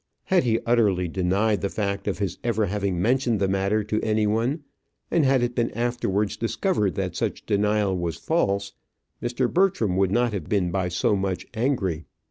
Had he utterly denied the fact of his ever having mentioned the matter to any one, and had it been afterwards discovered that such denial was false, Mr. Bertram would not have been by much so angry.